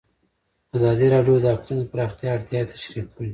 ازادي راډیو د اقلیم د پراختیا اړتیاوې تشریح کړي.